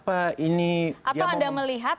atau anda melihat